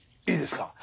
いいですか。